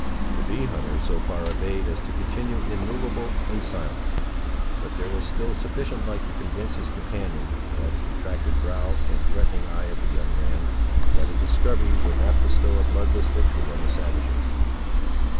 The bee hunter so far obeyed as to continue immovable and silent. But there was still sufficient light to convince his companion, by the contracted brow and threatening eye of the young man, that a discovery would not bestow a bloodless victory on the savages.